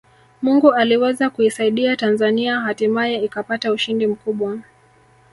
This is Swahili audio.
Mungu aliweza kuisaidia Tanzania hatimaye ikapata ushindi mkubwa